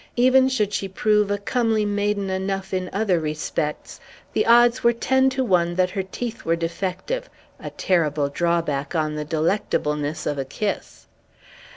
Even should she prove a comely maiden enough in other respects, the odds were ten to one that her teeth were defective; a terrible drawback on the delectableness of a kiss.